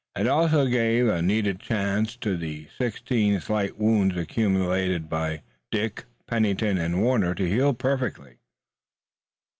It also gave a needed chance to the sixteen slight wounds accumulated by Dick, Pennington and Warner to heal perfectly.